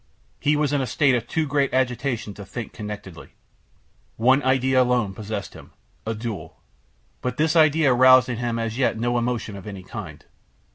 He was in a state of too great agitation to think connectedly. One idea alone possessed him: a duel. But this idea aroused in him as yet no emotion of any kind.